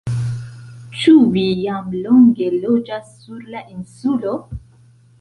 Ĉu vi jam longe loĝas sur la Insulo?